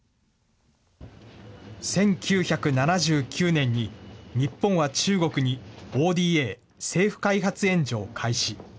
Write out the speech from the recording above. １９７９年に日本は中国に、ＯＤＡ・政府開発援助を開始。